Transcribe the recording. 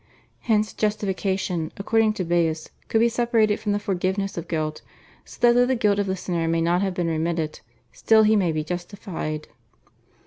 Hence justification, according to Baius, could be separated from the forgiveness of guilt, so that though the guilt of the sinner may not have been remitted still he may be justified.